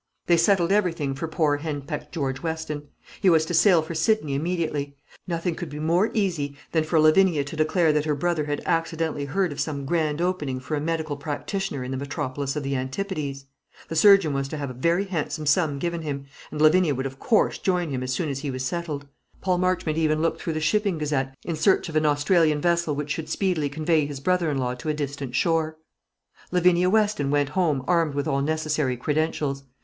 They settled everything for poor henpecked George Weston. He was to sail for Sydney immediately. Nothing could be more easy than for Lavinia to declare that her brother had accidentally heard of some grand opening for a medical practitioner in the metropolis of the Antipodes. The surgeon was to have a very handsome sum given him, and Lavinia would of course join him as soon as he was settled. Paul Marchmont even looked through the "Shipping Gazette" in search of an Australian vessel which should speedily convey his brother in law to a distant shore. Lavinia Weston went home armed with all necessary credentials.